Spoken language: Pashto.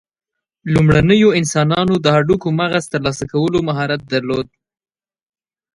لومړنیو انسانانو د هډوکو مغز ترلاسه کولو مهارت درلود.